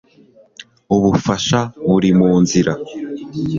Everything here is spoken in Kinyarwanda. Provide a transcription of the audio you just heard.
Ubufasha buri munzira